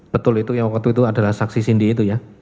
betul itu yang waktu itu adalah saksi cindy itu ya